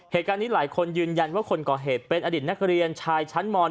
เหตุการณ์นี้หลายคนยืนยันว่าคนก่อเหตุเป็นอดีตนักเรียนชายชั้นม๑